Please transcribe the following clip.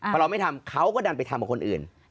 พอเราไม่ทำเขาก็ดันไปทำกับคนอื่น